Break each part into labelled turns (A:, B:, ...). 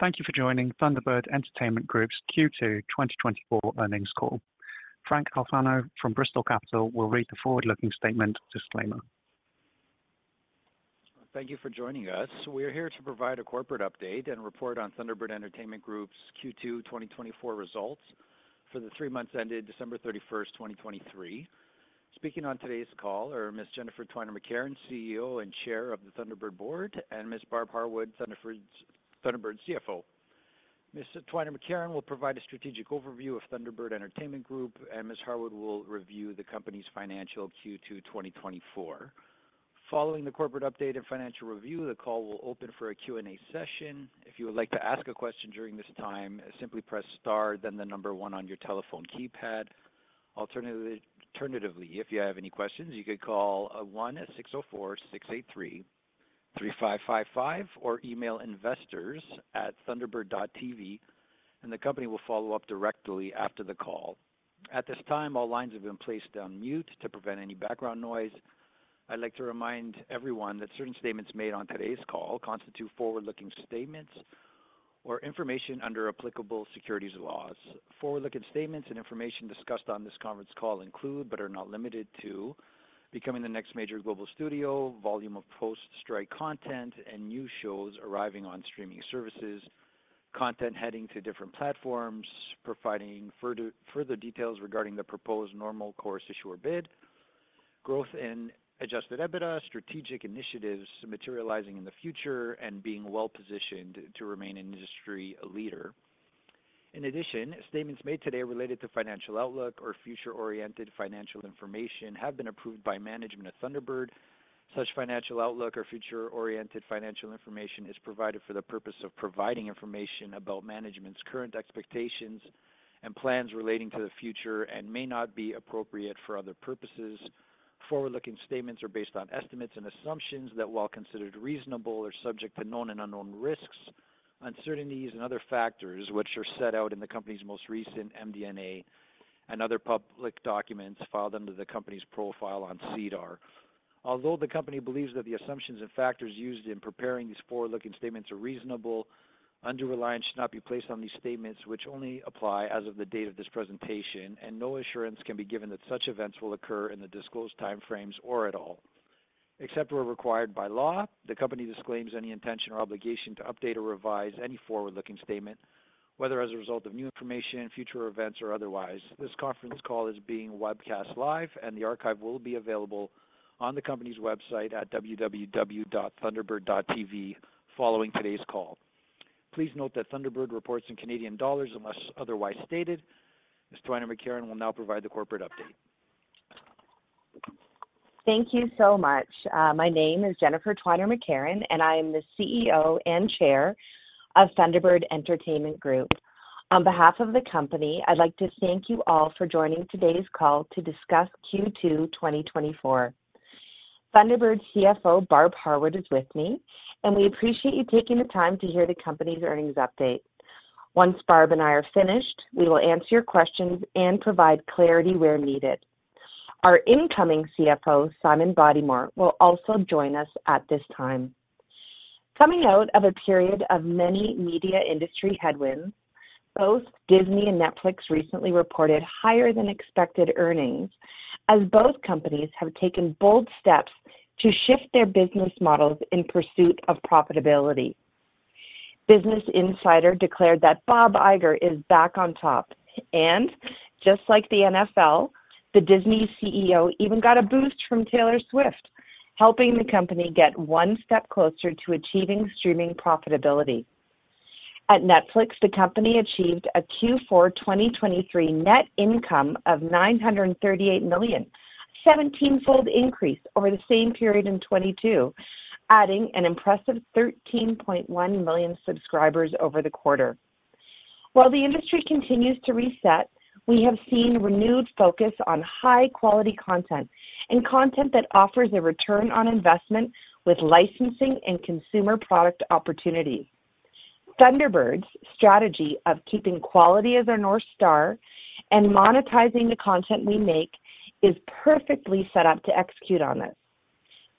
A: Thank you for joining Thunderbird Entertainment Group's Q2 2024 earnings call. Frank Alfano from Bristol Capital will read the forward-looking statement disclaimer.
B: Thank you for joining us. We are here to provide a corporate update and report on Thunderbird Entertainment Group's Q2 2024 results for the three months ended December 31st, 2023. Speaking on today's call are Ms. Jennifer Twiner McCarron, CEO and Chair of the Thunderbird Board, and Ms. Barb Harwood, Thunderbird's CFO. Ms. Twiner McCarron will provide a strategic overview of Thunderbird Entertainment Group, and Ms. Harwood will review the company's financial Q2 2024. Following the corporate update and financial review, the call will open for a Q&A session. If you would like to ask a question during this time, simply press star, then the number one on your telephone keypad. Alternatively, if you have any questions, you could call 1-604-683-3555 or email investors@thunderbird.tv, and the company will follow up directly after the call. At this time, all lines have been placed on mute to prevent any background noise. I'd like to remind everyone that certain statements made on today's call constitute forward-looking statements or information under applicable securities laws. Forward-looking statements and information discussed on this conference call include, but are not limited to, becoming the next major global studio, volume of post-strike content and new shows arriving on streaming services, content heading to different platforms providing further details regarding the proposed Normal Course Issuer Bid, growth in adjusted EBITDA, strategic initiatives materializing in the future, and being well-positioned to remain an industry leader. In addition, statements made today related to financial outlook or future-oriented financial information have been approved by management of Thunderbird. Such financial outlook or future-oriented financial information is provided for the purpose of providing information about management's current expectations and plans relating to the future and may not be appropriate for other purposes. Forward-looking statements are based on estimates and assumptions that, while considered reasonable, are subject to known and unknown risks, uncertainties, and other factors which are set out in the company's most recent MD&A and other public documents filed under the company's profile on SEDAR+. Although the company believes that the assumptions and factors used in preparing these forward-looking statements are reasonable, undue reliance should not be placed on these statements which only apply as of the date of this presentation, and no assurance can be given that such events will occur in the disclosed timeframes or at all. Except where required by law, the company disclaims any intention or obligation to update or revise any forward-looking statement, whether as a result of new information, future events, or otherwise. This conference call is being webcast live, and the archive will be available on the company's website at www.thunderbird.tv following today's call. Please note that Thunderbird reports in Canadian dollars unless otherwise stated. Ms. Twiner McCarron will now provide the corporate update.
C: Thank you so much. My name is Jennifer Twiner McCarron, and I am the CEO and Chair of Thunderbird Entertainment Group. On behalf of the company, I'd like to thank you all for joining today's call to discuss Q2 2024. Thunderbird's CFO, Barb Harwood, is with me, and we appreciate you taking the time to hear the company's earnings update. Once Barb and I are finished, we will answer your questions and provide clarity where needed. Our incoming CFO, Simon Bodymore, will also join us at this time. Coming out of a period of many media industry headwinds, both Disney and Netflix recently reported higher-than-expected earnings as both companies have taken bold steps to shift their business models in pursuit of profitability. Business Insider declared that Bob Iger is back on top, and just like the NFL, the Disney CEO even got a boost from Taylor Swift, helping the company get one step closer to achieving streaming profitability. At Netflix, the company achieved a Q4 2023 net income of $938 million, a 17-fold increase over the same period in 2022, adding an impressive 13.1 million subscribers over the quarter. While the industry continues to reset, we have seen renewed focus on high-quality content and content that offers a return on investment with licensing and consumer product opportunities. Thunderbird's strategy of keeping quality as our north star and monetizing the content we make is perfectly set up to execute on this.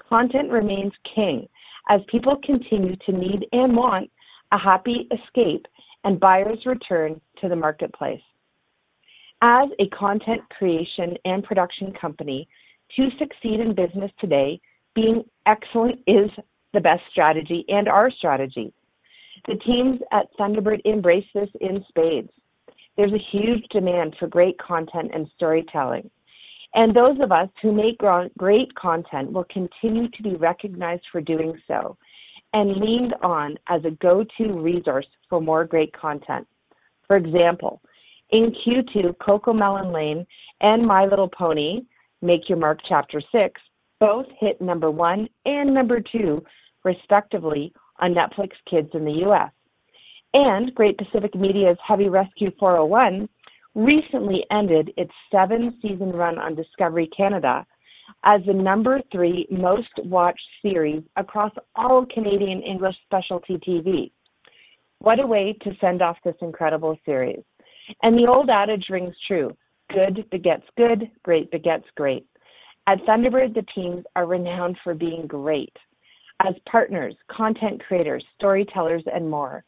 C: Content remains king as people continue to need and want a happy escape and buyers return to the marketplace. As a content creation and production company, to succeed in business today, being excellent is the best strategy and our strategy. The teams at Thunderbird embrace this in spades. There's a huge demand for great content and storytelling, and those of us who make great content will continue to be recognized for doing so and leaned on as a go-to resource for more great content. For example, in Q2, CoComelon Lane and My Little Pony: Make Your Mark Chapter 6 both hit number one and number two, respectively, on Netflix Kids in the U.S. Great Pacific Media's Heavy Rescue 401 recently ended its seven-season run on Discovery Canada as the number three most-watched series across all Canadian English specialty TV. What a way to send off this incredible series. The old adage rings true: "Good begets good, great begets great." At Thunderbird, the teams are renowned for being great as partners, content creators, storytellers, and more.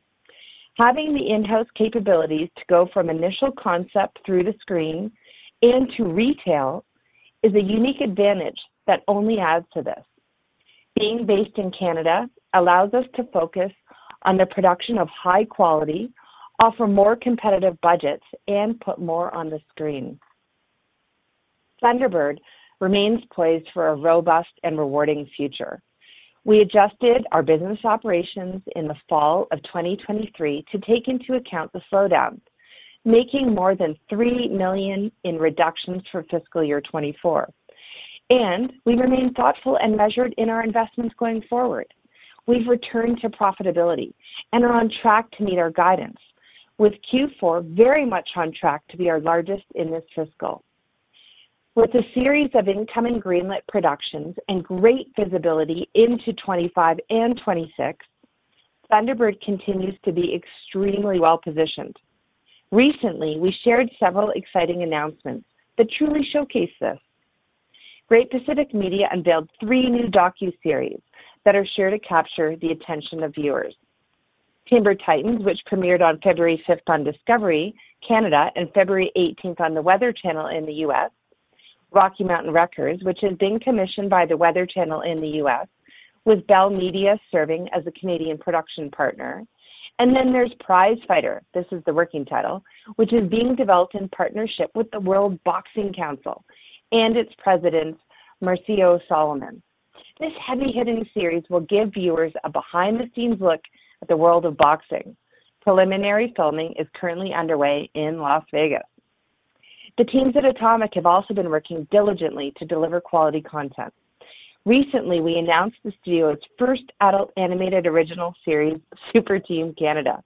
C: Having the in-house capabilities to go from initial concept through the screen and to retail is a unique advantage that only adds to this. Being based in Canada allows us to focus on the production of high quality, offer more competitive budgets, and put more on the screen. Thunderbird remains poised for a robust and rewarding future. We adjusted our business operations in the fall of 2023 to take into account the slowdown, making more than 3 million in reductions for fiscal year 2024. We remain thoughtful and measured in our investments going forward. We've returned to profitability and are on track to meet our guidance, with Q4 very much on track to be our largest in this fiscal. With a series of incoming greenlit productions and great visibility into 2025 and 2026, Thunderbird continues to be extremely well-positioned. Recently, we shared several exciting announcements that truly showcase this. Great Pacific Media unveiled three new docuseries that are set to capture the attention of viewers: Timber Titans, which premiered on February 5 on Discovery Canada and February 18 on The Weather Channel in the U.S. Rocky Mountain Records, which is being commissioned by The Weather Channel in the U.S., with Bell Media serving as a Canadian production partner. And then there's Prizefighter (this is the working title), which is being developed in partnership with the World Boxing Council and its president, Mauricio Sulaimán. This heavy-hitting series will give viewers a behind-the-scenes look at the world of boxing. Preliminary filming is currently underway in Las Vegas. The teams at Atomic have also been working diligently to deliver quality content. Recently, we announced the studio's first adult animated original series, Super Team Canada.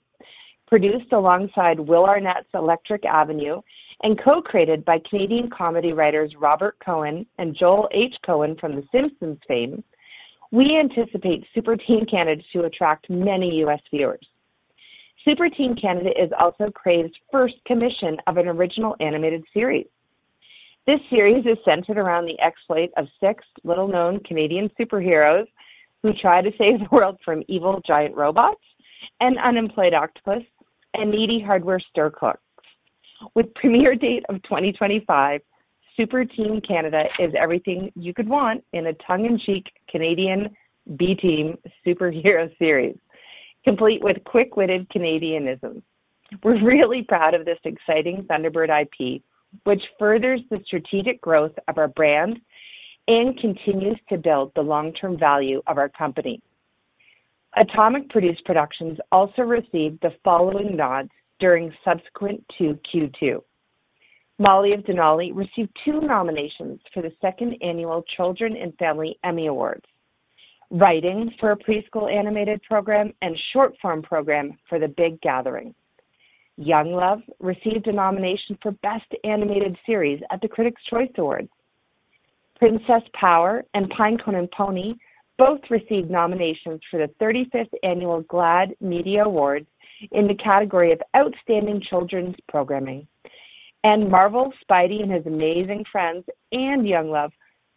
C: Produced alongside Will Arnett's Electric Avenue and co-created by Canadian comedy writers Robert Cohen and Joel H. Cohen from The Simpsons fame, we anticipate Super Team Canada to attract many U.S. viewers. Super Team Canada is also Crave's first commission of an original animated series. This series is centered around the exploit of six little-known Canadian superheroes who try to save the world from evil giant robots, an unemployed octopus, and needy hardware stir cooks. With premiere date of 2025, Super Team Canada is everything you could want in a tongue-in-cheek Canadian B-team superhero series, complete with quick-witted Canadianism. We're really proud of this exciting Thunderbird IP, which furthers the strategic growth of our brand and continues to build the long-term value of our company. Atomic Cartoons also received the following nods during subsequent to Q2: Molly of Denali received two nominations for the second annual Children and Family Emmy Awards. Writing for a Preschool Animated Program and Short Form Program for The Big Gathering. Young Love received a nomination for Best Animated Series at the Critics' Choice Awards. Princess Power and Pinecone and Pony both received nominations for the 35th annual GLAAD Media Awards in the category of Outstanding Children's Programming. And Marvel's Spidey and His Amazing Friends and Young Love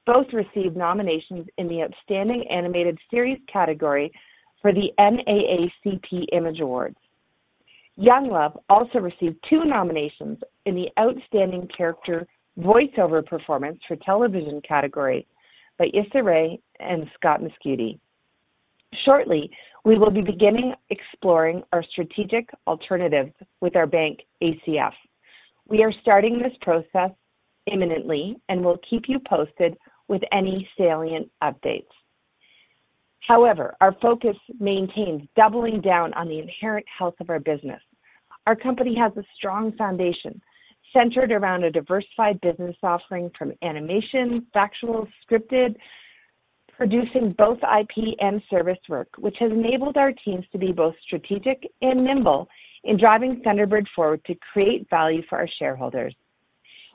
C: both received nominations in the Outstanding Animated Series category for the NAACP Image Awards. Young Love also received two nominations in the Outstanding Character Voiceover Performance for Television category by Issa Rae and Scott Mescudi. Shortly, we will be beginning exploring our strategic alternatives with our bank, ACF. We are starting this process imminently and will keep you posted with any salient updates. However, our focus maintains doubling down on the inherent health of our business. Our company has a strong foundation centered around a diversified business offering from animation, factual, scripted, producing both IP and service work, which has enabled our teams to be both strategic and nimble in driving Thunderbird forward to create value for our shareholders.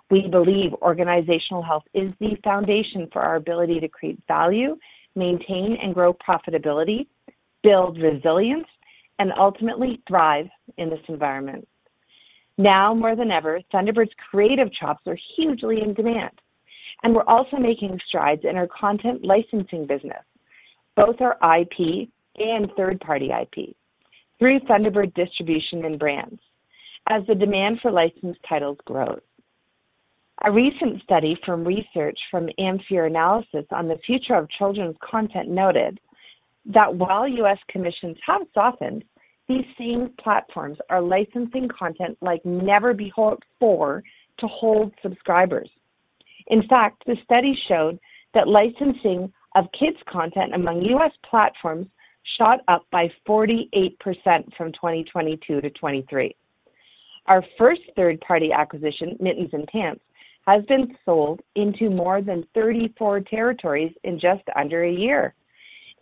C: We believe organizational health is the foundation for our ability to create value, maintain and grow profitability, build resilience, and ultimately thrive in this environment. Now more than ever, Thunderbird's creative chops are hugely in demand, and we're also making strides in our content licensing business, both our IP and third-party IP, through Thunderbird distribution and brands as the demand for licensed titles grows. A recent study from Research from Ampere Analysis on the future of children's content noted that while U.S. commissions have softened, these same platforms are licensing content like never before to hold subscribers. In fact, the study showed that licensing of kids' content among U.S. platforms shot up by 48% from 2022 to 2023. Our first third-party acquisition, Mittens and Pants, has been sold into more than 34 territories in just under a year,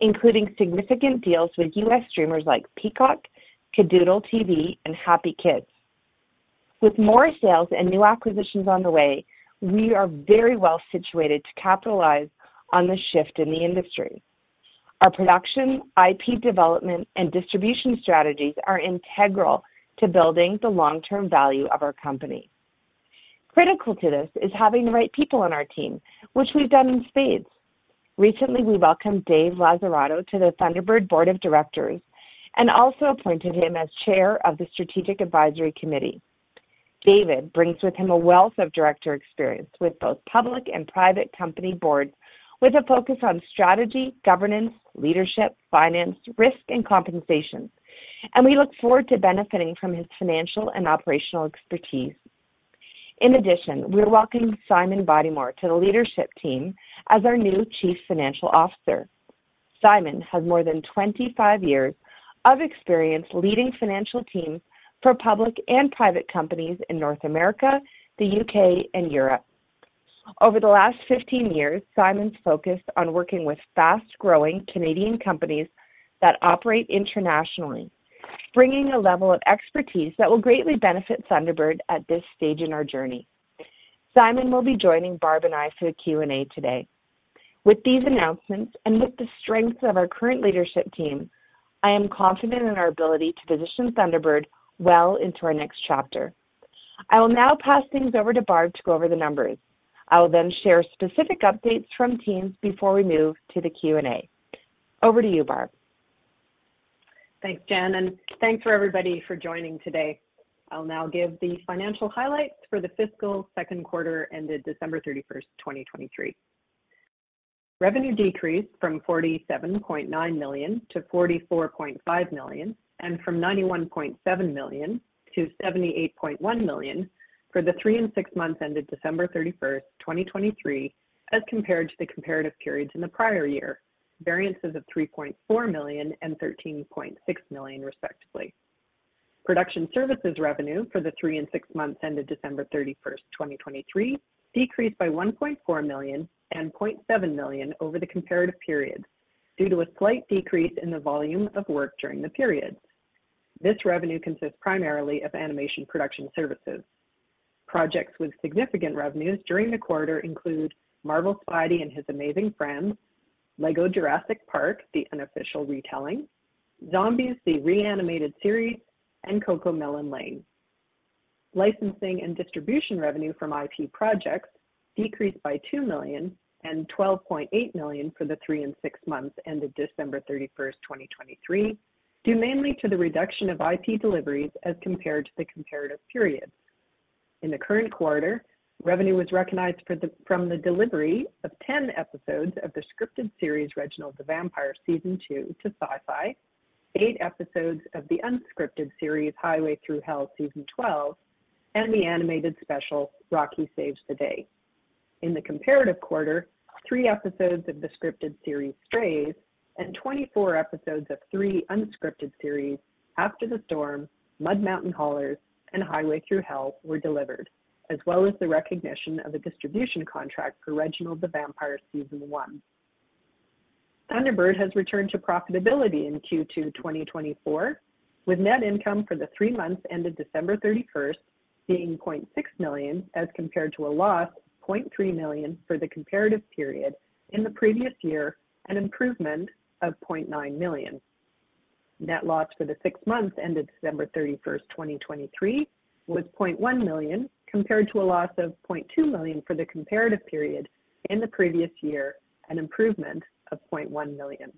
C: including significant deals with U.S. streamers like Peacock, Kidoodle.TV, and HappyKids. With more sales and new acquisitions on the way, we are very well situated to capitalize on the shift in the industry. Our production, IP development, and distribution strategies are integral to building the long-term value of our company. Critical to this is having the right people on our team, which we've done in spades. Recently, we welcomed David Lazzarato to the Thunderbird Board of Directors and also appointed him as Chair of the Strategic Advisory Committee. David brings with him a wealth of director experience with both public and private company boards, with a focus on strategy, governance, leadership, finance, risk, and compensation, and we look forward to benefiting from his financial and operational expertise. In addition, we're welcoming Simon Bodymore to the leadership team as our new Chief Financial Officer. Simon has more than 25 years of experience leading financial teams for public and private companies in North America, the U.K., and Europe. Over the last 15 years, Simon's focused on working with fast-growing Canadian companies that operate internationally, bringing a level of expertise that will greatly benefit Thunderbird at this stage in our journey. Simon will be joining Barb and I for the Q&A today. With these announcements and with the strength of our current leadership team, I am confident in our ability to position Thunderbird well into our next chapter. I will now pass things over to Barb to go over the numbers. I will then share specific updates from teams before we move to the Q&A. Over to you, Barb.
D: Thanks, Jen, and thanks for everybody for joining today. I'll now give the financial highlights for the fiscal second quarter ended December 31, 2023. Revenue decreased from 47.9 million to 44.5 million, and from 91.7 million to 78.1 million for the three and six months ended December 31, 2023, as compared to the comparative periods in the prior year, variances of 3.4 million and 13.6 million, respectively. Production services revenue for the three and six months ended December 31, 2023, decreased by 1.4 million and 0.7 million over the comparative periods due to a slight decrease in the volume of work during the periods. This revenue consists primarily of animation production services. Projects with significant revenues during the quarter include Marvel's Spidey and His Amazing Friends, LEGO Jurassic Park: The Unofficial Retelling, Zombies: The Re-Animated Series, and CoComelon Lane. Licensing and distribution revenue from IP projects decreased by 2 million and 12.8 million for the three and six months ended December 31, 2023, due mainly to the reduction of IP deliveries as compared to the comparative periods. In the current quarter, revenue was recognized from the delivery of 10 episodes of the scripted series Reginald the Vampire Season 2 to Sci-Fi, eight episodes of the unscripted series Highway Thru Hell Season 12, and the animated special Rocket Saves the Day. In the comparative quarter, three episodes of the scripted series Strays and 24 episodes of three unscripted series After the Storm, Mud Mountain Haulers, and Highway Thru Hell were delivered, as well as the recognition of a distribution contract for Reginald the Vampire Season 1. Thunderbird has returned to profitability in Q2 2024, with net income for the three months ended December 31 being 0.6 million as compared to a loss of 0.3 million for the comparative period in the previous year and improvement of 0.9 million. Net loss for the six months ended December 31, 2023, was 0.1 million compared to a loss of 0.2 million for the comparative period in the previous year and improvement of 0.1 million.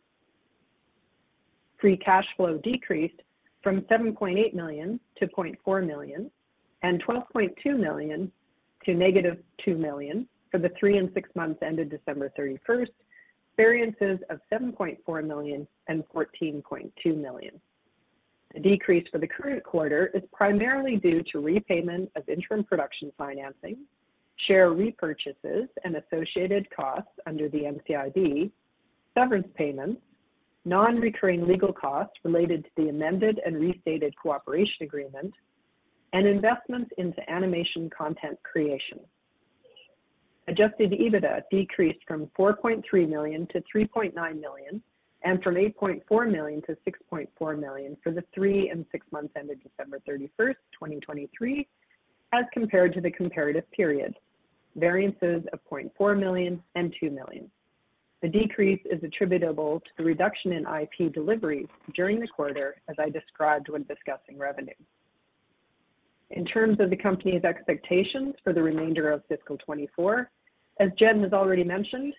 D: Free cash flow decreased from 7.8 million to 0.4 million and 12.2 million to -2 million for the three and six months ended December 31st, variances of 7.4 million and 14.2 million. The decrease for the current quarter is primarily due to repayment of interim production financing, share repurchases and associated costs under the NCIB, severance payments, non-recurring legal costs related to the amended and restated cooperation agreement, and investments into animation content creation. Adjusted EBITDA decreased from 4.3 million to 3.9 million and from 8.4 million to 6.4 million for the three and six months ended December 31, 2023, as compared to the comparative period, variances of 0.4 million and 2 million. The decrease is attributable to the reduction in IP deliveries during the quarter, as I described when discussing revenue. In terms of the company's expectations for the remainder of fiscal 2024, as Jen has already mentioned,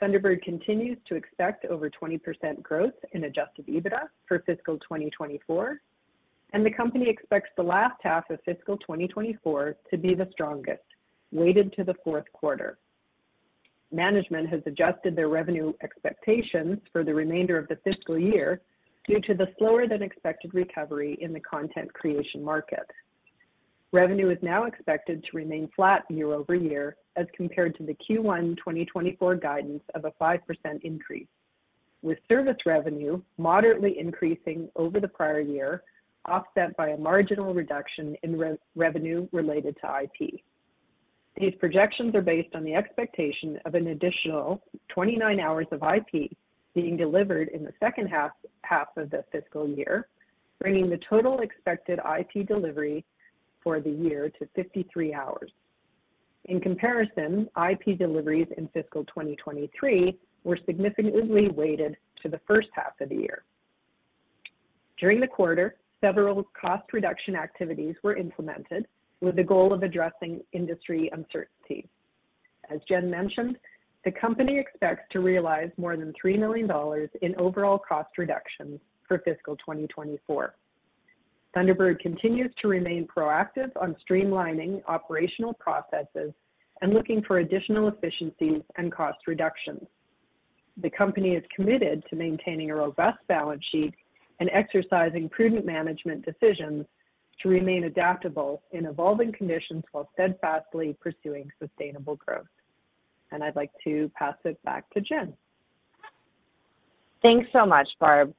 D: Thunderbird continues to expect over 20% growth in adjusted EBITDA for fiscal 2024, and the company expects the last half of fiscal 2024 to be the strongest, weighted to the fourth quarter. Management has adjusted their revenue expectations for the remainder of the fiscal year due to the slower-than-expected recovery in the content creation market. Revenue is now expected to remain flat year-over-year as compared to the Q1 2024 guidance of a 5% increase, with service revenue moderately increasing over the prior year, offset by a marginal reduction in revenue related to IP. These projections are based on the expectation of an additional 29 hours of IP being delivered in the second half of the fiscal year, bringing the total expected IP delivery for the year to 53 hours. In comparison, IP deliveries in fiscal 2023 were significantly weighted to the first half of the year. During the quarter, several cost reduction activities were implemented with the goal of addressing industry uncertainty. As Jen mentioned, the company expects to realize more than 3 million dollars in overall cost reductions for fiscal 2024. Thunderbird continues to remain proactive on streamlining operational processes and looking for additional efficiencies and cost reductions. The company is committed to maintaining a robust balance sheet and exercising prudent management decisions to remain adaptable in evolving conditions while steadfastly pursuing sustainable growth. I'd like to pass it back to Jen. Thanks so much, Barb.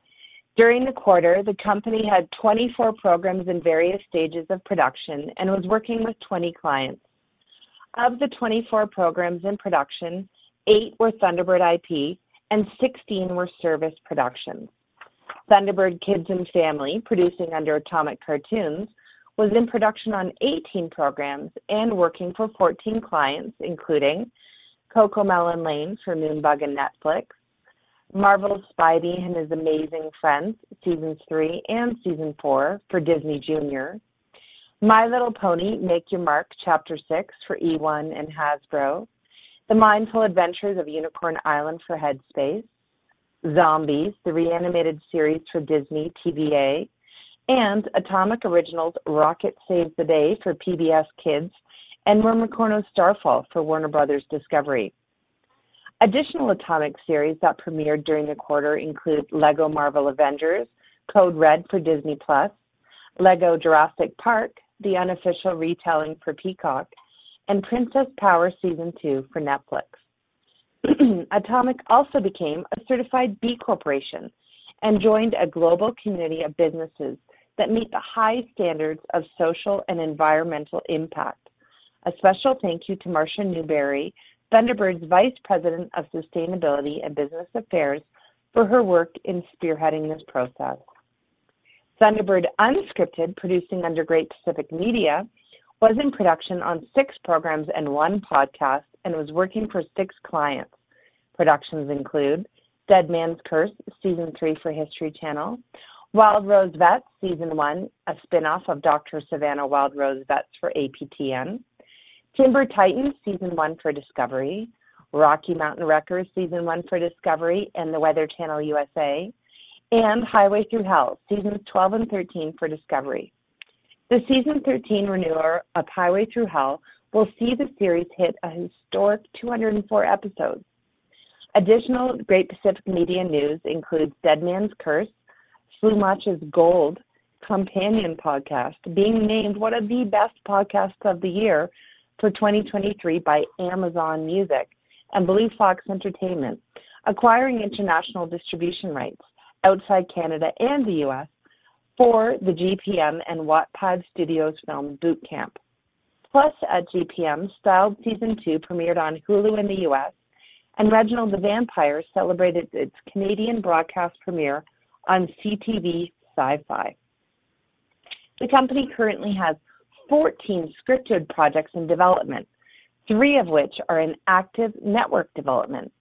D: During the quarter, the company had 24 programs in various stages of production and was working with 20 clients. Of the 24 programs in production, 8 were Thunderbird IP and 16 were service productions. Thunderbird Kids and Family, producing under Atomic Cartoons, was in production on 18 programs and working for 14 clients, including CoComelon Lane for Moonbug and Netflix, Marvel's Spidey and His Amazing Friends Season 3 and Season 4 for Disney Jr., My Little Pony: Make Your Mark Chapter 6 for eOneand Hasbro, The Mindful Adventures of Unicorn Island for Headspace, Zombies: The Re-Animated Series for Disney TVA, and Atomic Originals Rocket Saves the Day for PBS Kids and Mermicorno: Starfall for Warner Bros. Discovery. Additional Atomic series that premiered during the quarter include LEGO Marvel Avengers: Code Red for Disney+, LEGO Jurassic Park: The Unofficial Retelling for Peacock, and Princess Power Season 2 for Netflix. Atomic also became a certified B Corporation and joined a global community of businesses that meet the high standards of social and environmental impact. A special thank you to Marsha Newberry, Thunderbird's Vice President of Sustainability and Business Affairs, for her work in spearheading this process. Thunderbird Unscripted, producing under Great Pacific Media, was in production on six programs and one podcast and was working for six clients. Productions include Deadman's Curse Season 3 for History Channel, Wild Rose Vets Season 1, a spinoff of Dr. Savannah Wild Rose Vets for APTN, Timber Titans Season 1 for Discovery, Rocky Mountain Records Season 1 for Discovery and The Weather Channel, and Highway Thru Hell Seasons 12 and 13 for Discovery. The Season 13 renewal of Highway Thru Hell will see the series hit a historic 204 episodes. Additional Great Pacific Media news includes Deadman's Curse: Slumach's Gold Companion Podcast being named one of the best podcasts of the year for 2023 by Amazon Music and Blue Fox Entertainment, acquiring international distribution rights outside Canada and the U.S. for the GPM and Wattpad Studios film Boot Camp. Plus, Strays Season 2 premiered on Hulu in the U.S., and Reginald the Vampire celebrated its Canadian broadcast premiere on CTV Sci-Fi Channel. The company currently has 14 scripted projects in development, three of which are in active network development.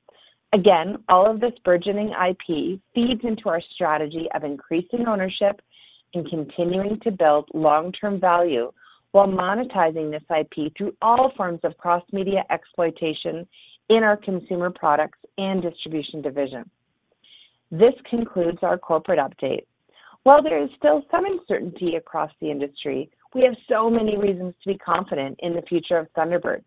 D: Again, all of this burgeoning IP feeds into our strategy of increasing ownership and continuing to build long-term value while monetizing this IP through all forms of cross-media exploitation in our consumer products and distribution division. This concludes our corporate update. While there is still some uncertainty across the industry, we have so many reasons to be confident in the future of Thunderbird.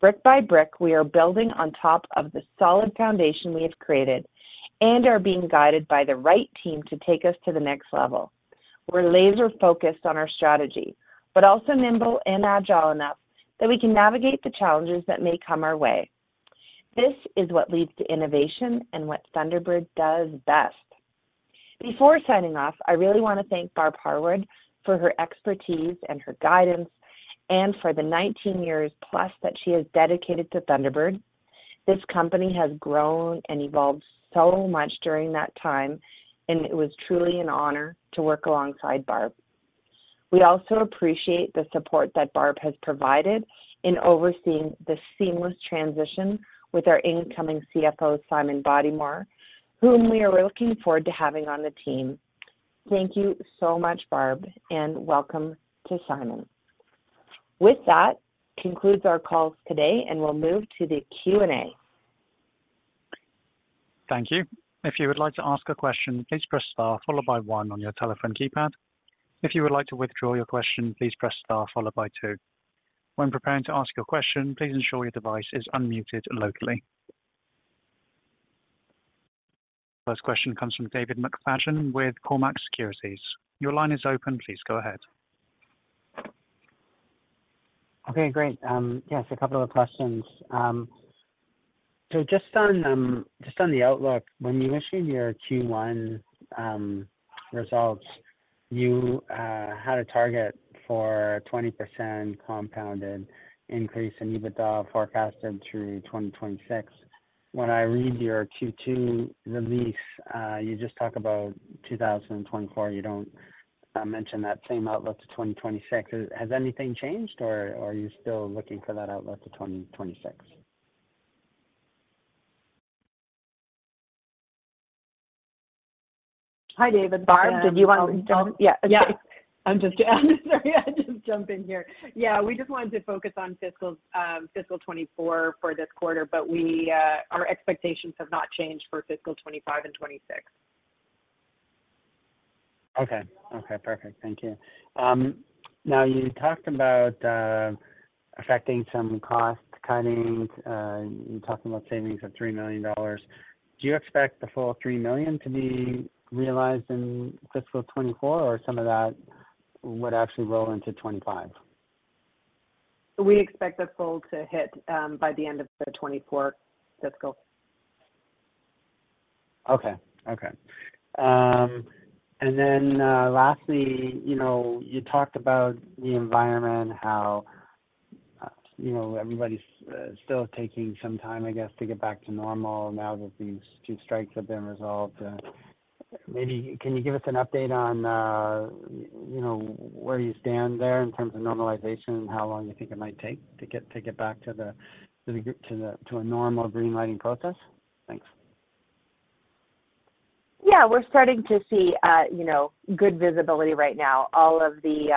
D: Brick by brick, we are building on top of the solid foundation we have created and are being guided by the right team to take us to the next level. We're laser-focused on our strategy, but also nimble and agile enough that we can navigate the challenges that may come our way. This is what leads to innovation and what Thunderbird does best. Before signing off, I really want to thank Barb Harwood for her expertise and her guidance, and for the 19+ years that she has dedicated to Thunderbird. This company has grown and evolved so much during that time, and it was truly an honor to work alongside Barb. We also appreciate the support that Barb has provided in overseeing the seamless transition with our incoming CFO, Simon Bodymore, whom we are looking forward to having on the team. Thank you so much, Barb, and welcome to Simon. With that, concludes our call today, and we'll move to the Q&A.
A: Thank you. If you would like to ask a question, please press star followed by one on your telephone keypad. If you would like to withdraw your question, please press star followed by two. When preparing to ask your question, please ensure your device is unmuted locally. First question comes from David McFadgen with Cormark Securities. Your line is open. Please go ahead.
E: Okay, great. Yes, a couple of questions. So just on the outlook, when you issued your Q1 results, you had a target for a 20% compounded increase and EBITDA forecasted through 2026. When I read your Q2 release, you just talk about 2024. You don't mention that same outlook to 2026. Has anything changed, or are you still looking for that outlook to 2026?
D: Hi, David.
C: Barb, did you want to jump?
D: Yeah. Sorry, I just jumped in here. Yeah, we just wanted to focus on fiscal 2024 for this quarter, but our expectations have not changed for fiscal 2025 and 2026.
E: Okay. Okay, perfect. Thank you. Now, you talked about affecting some cost cuttings. You talked about savings of 3 million dollars. Do you expect the full 3 million to be realized in fiscal 2024, or some of that would actually roll into 2025?
D: We expect the full to hit by the end of the 2024 fiscal.
E: Okay. Okay. And then lastly, you talked about the environment, how everybody's still taking some time, I guess, to get back to normal now that these two strikes have been resolved. Maybe can you give us an update on where you stand there in terms of normalization and how long you think it might take to get back to a normal greenlighting process? Thanks.
C: Yeah, we're starting to see good visibility right now. All of the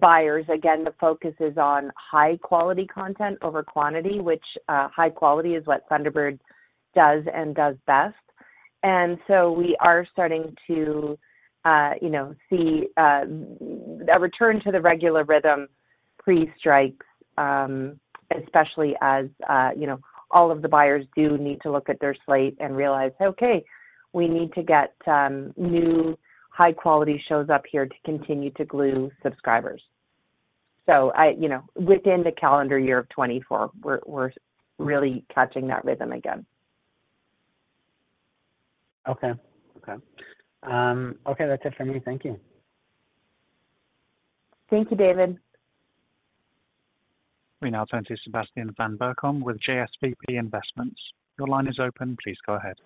C: buyers, again, the focus is on high-quality content over quantity, which high quality is what Thunderbird does and does best. And so we are starting to see a return to the regular rhythm pre-strikes, especially as all of the buyers do need to look at their slate and realize, "Okay, we need to get new high-quality shows up here to continue to glue subscribers." So within the calendar year of 2024, we're really catching that rhythm again.
E: Okay. Okay. Okay, that's it for me. Thank you.
C: Thank you, David.
A: We now turn to Sebastian van Berkom with JSVB Investments. Your line is open. Please go ahead.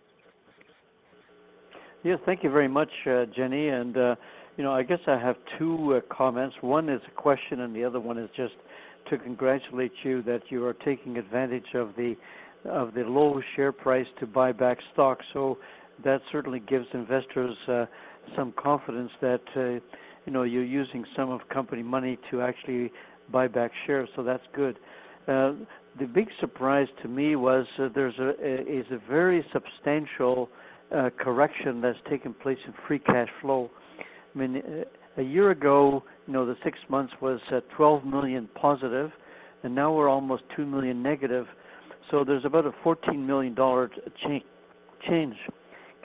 F: Yes, thank you very much, Jenny. I guess I have two comments. One is a question, and the other one is just to congratulate you that you are taking advantage of the low share price to buy back stock. So that certainly gives investors some confidence that you're using some of company money to actually buy back shares. So that's good. The big surprise to me was there is a very substantial correction that's taken place in free cash flow. I mean, a year ago, the six months was 12 million positive, and now we're almost -2 million. So there's about a 14 million dollar change.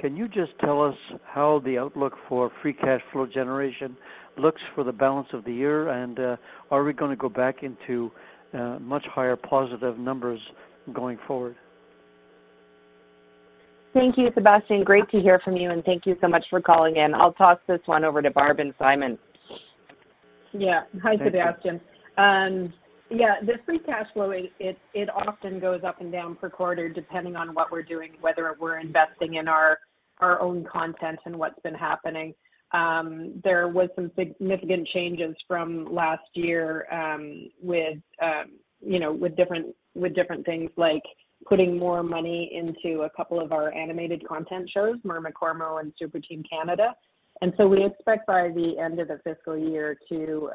F: Can you just tell us how the outlook for free cash flow generation looks for the balance of the year, and are we going to go back into much higher positive numbers going forward?
C: Thank you, Sebastian. Great to hear from you, and thank you so much for calling in. I'll toss this one over to Barb and Simon.
D: Yeah. Hi, Sebastian. Yeah, the free cash flow, it often goes up and down per quarter depending on what we're doing, whether we're investing in our own content and what's been happening. There were some significant changes from last year with different things like putting more money into a couple of our animated content shows, Mermicorno and Super Team Canada. And so we expect by the end of the fiscal year to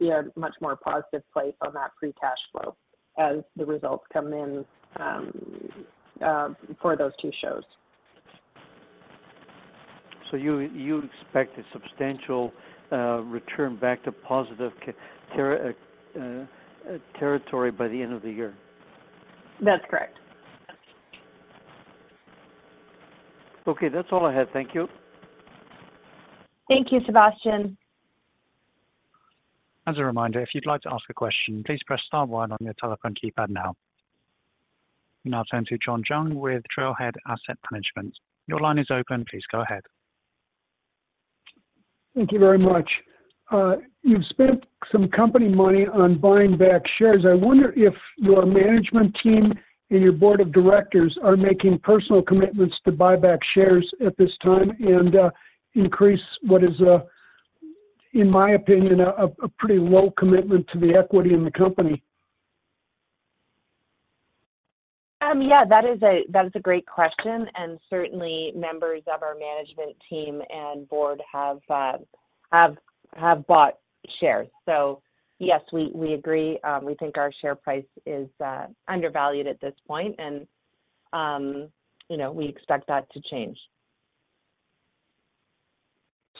D: be a much more positive place on that free cash flow as the results come in for those two shows.
F: You expect a substantial return back to positive territory by the end of the year?
D: That's correct.
F: Okay, that's all I had. Thank you.
C: Thank you, Sebastian.
A: As a reminder, if you'd like to ask a question, please press star one on your telephone keypad now. We now turn to John Zhang with Trailhead Asset Management. Your line is open. Please go ahead.
G: Thank you very much. You've spent some company money on buying back shares. I wonder if your management team and your board of directors are making personal commitments to buy back shares at this time and increase what is, in my opinion, a pretty low commitment to the equity in the company?
C: Yeah, that is a great question. Certainly, members of our management team and board have bought shares. Yes, we agree. We think our share price is undervalued at this point, and we expect that to change.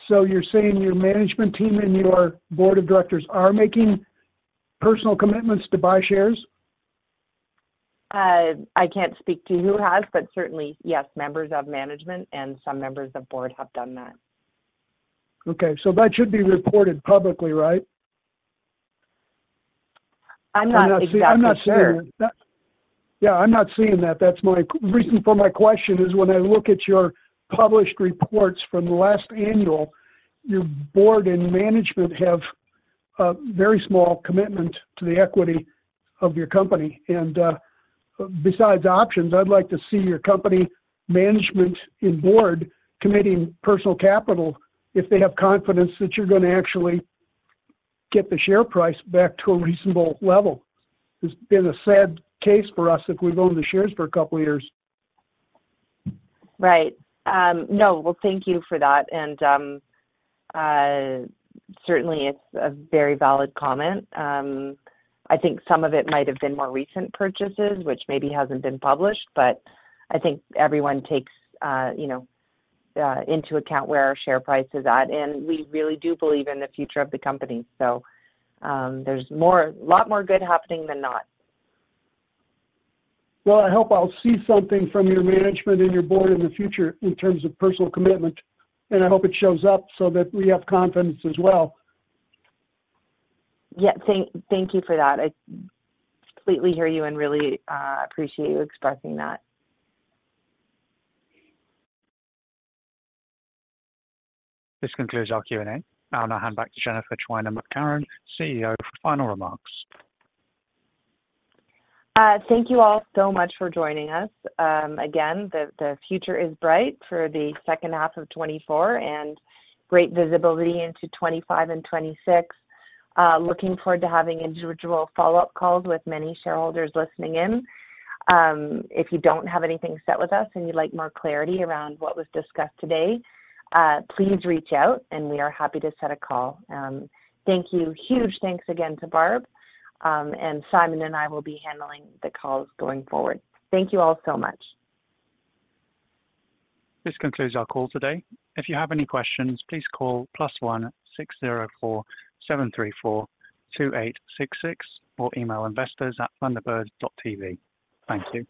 G: So you're saying your management team and your board of directors are making personal commitments to buy shares?
C: I can't speak to who has, but certainly, yes, members of management and some members of Board have done that.
G: Okay. So that should be reported publicly, right?
C: I'm not sure.
G: I'm not seeing that. Yeah, I'm not seeing that. The reason for my question is, when I look at your published reports from the last annual, your board and management have a very small commitment to the equity of your company. And besides options, I'd like to see your company management and board committing personal capital if they have confidence that you're going to actually get the share price back to a reasonable level. It's been a sad case for us if we've owned the shares for a couple of years.
C: Right. No, well, thank you for that. Certainly, it's a very valid comment. I think some of it might have been more recent purchases, which maybe hasn't been published, but I think everyone takes into account where our share price is at. We really do believe in the future of the company. There's a lot more good happening than not.
G: Well, I hope I'll see something from your management and your board in the future in terms of personal commitment, and I hope it shows up so that we have confidence as well.
C: Yeah, thank you for that. I completely hear you and really appreciate you expressing that.
A: This concludes our Q&A. I'll now hand back to Jennifer Twiner McCarron, CEO, for final remarks.
C: Thank you all so much for joining us. Again, the future is bright for the second half of 2024 and great visibility into 2025 and 2026. Looking forward to having individual follow-up calls with many shareholders listening in. If you don't have anything set with us and you'd like more clarity around what was discussed today, please reach out, and we are happy to set a call. Huge thanks again to Barb. Simon and I will be handling the calls going forward. Thank you all so much.
A: This concludes our call today. If you have any questions, please call +1 604 734 2866 or email investors@thunderbird.tv. Thank you.